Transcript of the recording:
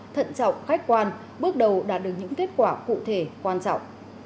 thận trọng khách quan bước đầu đạt được những kết quả cụ thể quan trọng